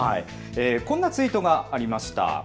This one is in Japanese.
こんなツイートがありました。